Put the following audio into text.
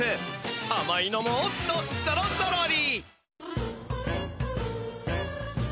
あまいのもっとぞろぞろり！